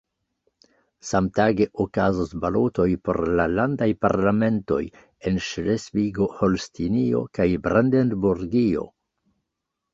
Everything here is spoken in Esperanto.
Samtage okazos balotoj por la landaj parlamentoj en Ŝlesvigo-Holstinio kaj Brandenburgio.